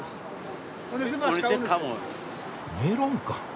メロンか。